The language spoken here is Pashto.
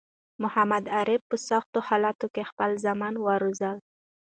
محمد عارف په سختو حالاتو کی خپل زامن وروزل